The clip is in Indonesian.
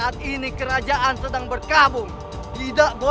tidak tidak tidak